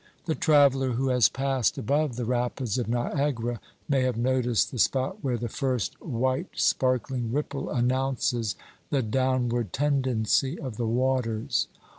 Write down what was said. The traveller who has passed above the rapids of Niagara may have noticed the spot where the first white sparkling ripple announces the downward tendency of the waters.